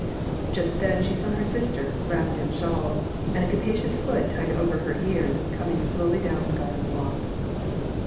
Just then she saw her sister, wrapped in shawls, and a capacious hood tied over her ears, coming slowly down the garden walk.